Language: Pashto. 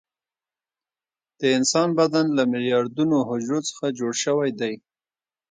د انسان بدن له میلیاردونو حجرو څخه جوړ شوى ده.